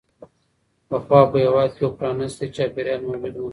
پخوا په هېواد کي یو پرانیستی چاپېریال موجود و.